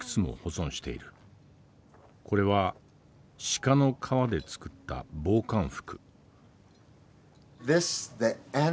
これは鹿の皮で作った防寒服。